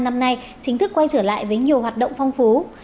năm nay chính thức quay trở lại với nhiều hoạt động phong phú